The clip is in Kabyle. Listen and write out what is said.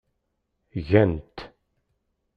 Gan-t.